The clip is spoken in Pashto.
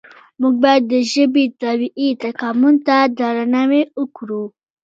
موږ باید د ژبې طبیعي تکامل ته درناوی وکړو.